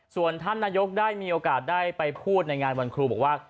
ส่วนท่านนายกได้มีโอกาสได้ไปพูดในงานวันครูบอกว่า